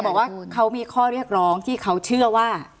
บอกว่าเขามีข้อเรียกร้องที่เขาเชื่อว่า